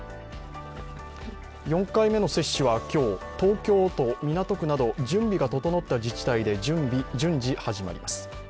４回目の接種は今日、東京・港区など準備が整った自治体で順次始まります。